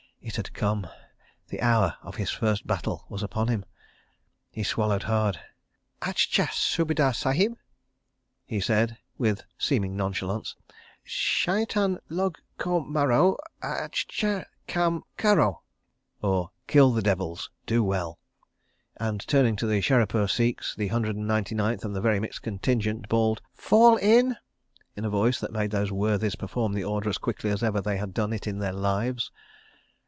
... It had come. ... The hour of his first battle was upon him. ... He swallowed hard. "Achcha, {101a} Subedar Sahib," he said with seeming nonchalance, "shaitan log ko maro. Achcha kam karo,"{101b} and turning to the Sherepur Sikhs, the Hundred and Ninety Ninth and the Very Mixed Contingent bawled: "Fall in!" in a voice that made those worthies perform the order as quickly as ever they had done it in their lives.